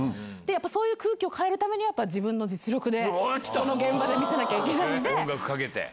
やっぱりそういう空気を変えるためには、やっぱ自分の実力で、現場で見せなきゃいけないんで。